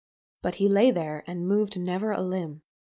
" But he lay there, and moved never a limb.